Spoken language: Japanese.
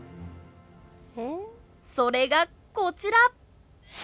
それがこちら！